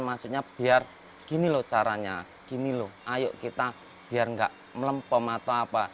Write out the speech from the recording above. maksudnya biar gini loh caranya gini loh ayo kita biar nggak melempem atau apa